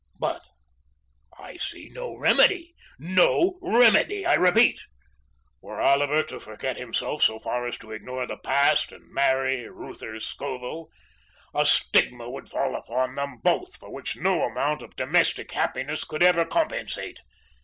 But I see no remedy; NO REMEDY, I repeat. Were Oliver to forget himself so far as to ignore the past and marry Reuther Scoville, a stigma would fall upon them both for which no amount of domestic happiness could ever compensate.